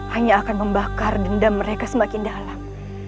hanya akan membakar dendam mereka semakin dalam